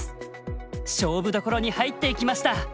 勝負どころに入っていきました。